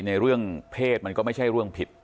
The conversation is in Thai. ในเรื่องเพศมันก็ไม่ใช่เรื่องผิด